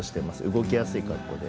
動きやすい格好で。